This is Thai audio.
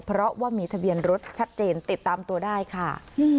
เพราะว่ามีทะเบียนรถชัดเจนติดตามตัวได้ค่ะ